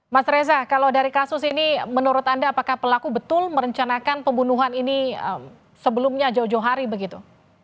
mas reza kalau dari kasus ini menurut anda apakah pelaku betul merencanakan pembunuhan ini sebelumnya jauh jauh hari begitu